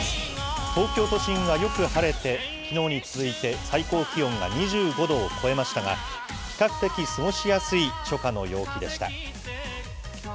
東京都心はよく晴れて、きのうに続いて最高気温が２５度を超えましたが、比較的過ごしやすい初夏の陽気でした。